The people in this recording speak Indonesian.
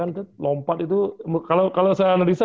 karena mereka kan lompat itu kalau saya analisa